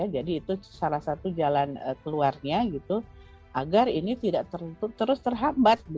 jadi itu salah satu jalan keluarnya agar ini tidak terus terhambat